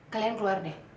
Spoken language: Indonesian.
kalian keluar deh